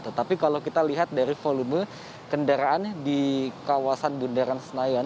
tetapi kalau kita lihat dari volume kendaraan di kawasan bundaran senayan